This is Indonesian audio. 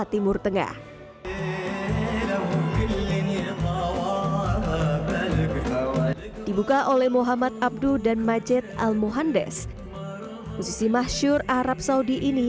timur tengah dibuka oleh muhammad abdul dan majid al mohandes musisi mahsyur arab saudi ini